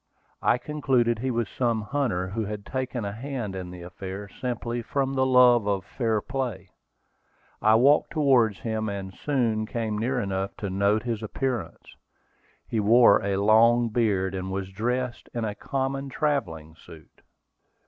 I concluded he was some hunter, who had taken a hand in the affair simply from the love of fair play. I walked towards him, and soon came near enough to note his appearance. He wore a long beard, and was dressed in a common travelling suit.